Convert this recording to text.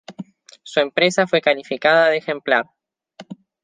Su empresa fue calificada de ejemplar.